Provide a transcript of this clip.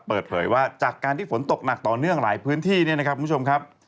เปิดเผยว่าจากการที่ฝนตกหนักต่อเนื่องหลายพื้นที่เนี่ยนะครับคุณผู้ชมครับ